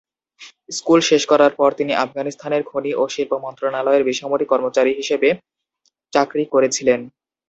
School শেষ করার পর তিনি আফগানিস্তানের খনি ও শিল্প মন্ত্রণালয়ের বেসামরিক কর্মচারী হিসাবে চাকরি করেছিলেন।